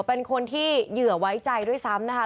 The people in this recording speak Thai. เป็นคนที่เหยื่อไว้ใจด้วยซ้ำนะคะ